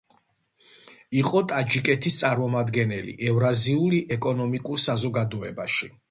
იყო ტაჯიკეთის წარმომადგენელი ევრაზიული ეკონომიკურ საზოგადოებაში.